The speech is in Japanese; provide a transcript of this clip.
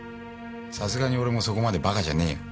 さすがに俺もそこまでバカじゃねぇよ。